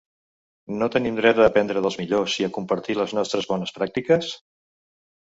No tenim dret a aprendre dels millors i a compartir les nostres bones pràctiques?